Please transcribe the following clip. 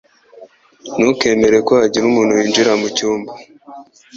Ntukemere ko hagira umuntu winjira mucyumba.